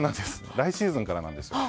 来シーズンからなんですよ。